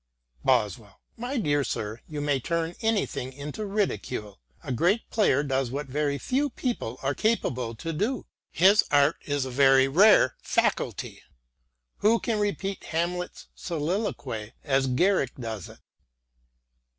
Boswell :" My dear sir, you may turn anything into ridicule ... a great player does what very few people are capable to do : his art is a very rare faculty. Who can repeat Hamlet's soliloquy as Garrick does it